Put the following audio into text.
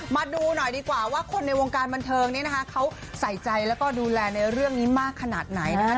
มาดูหน่อยดีกว่าว่าคนในวงการบันเทิงนี้นะคะเขาใส่ใจแล้วก็ดูแลในเรื่องนี้มากขนาดไหนนะคะ